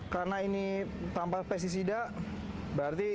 karena ini tanpa pesisida berarti